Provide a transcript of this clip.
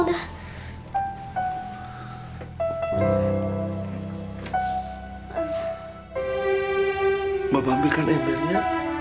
bapak ambilkan embernya